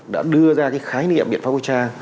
đã đưa ra cái khái niệm biện pháp vũ trang